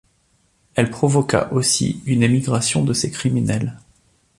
Elle provoqua aussi une émigration de ces criminels.